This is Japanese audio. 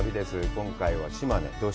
今回は島根。